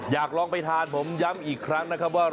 อยากลองไปทานผมย้ำอีกครั้งนะครับว่า